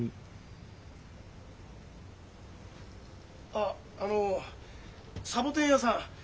ああのサボテン屋さん。